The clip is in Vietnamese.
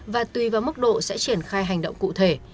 và tùy vào mức độ sẽ triển khai hành động cụ thể